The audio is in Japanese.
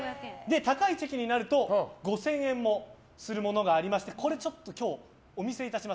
高いチェキになると５０００円するものがありましてこれちょっとお見せいたします。